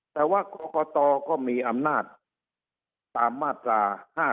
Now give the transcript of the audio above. แต่ว่ากรกตก็มีอำนาจตามมาตรา๕๗